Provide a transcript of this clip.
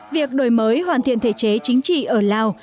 việc đổi mới hoàn thiện thể chế chính trị ở lào